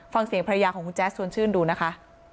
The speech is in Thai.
ฟังเสียงภรรยาของคุณแจ๊สชวนชื่นดูนะคะ